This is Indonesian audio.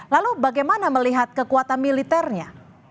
lalu bagaimana melihat kekuatan militernya